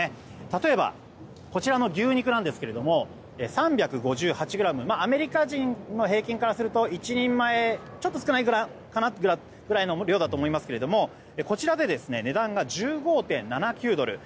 例えば、こちらの牛肉ですが３５８ｇアメリカ人の平均からすると１人前ちょっと少ないくらいの量だと思いますけれどもこちらで値段が１９．７５ドル。